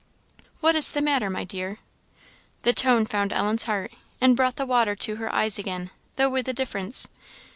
"What is the matter, my dear?" The tone found Ellen's heart, and brought the water to her eyes again, though with a difference.